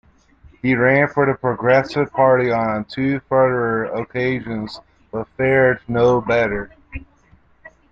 He ran for the Progressive Party on two further occasions, but fared no better.